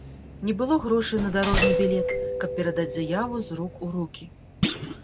Не было грошай на дарожны білет, каб перадаць заяву з рук у рукі.